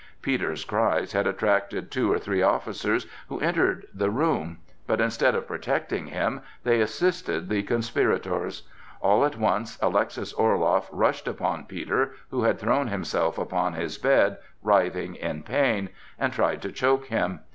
Peter's cries had attracted two or three officers, who entered the room; but instead of protecting him, they assisted the conspirators. All at once Alexis Orloff rushed upon Peter, who had thrown himself upon his bed, writhing in pain, and tried to choke him.